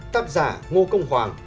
tác giả ngô công hoàng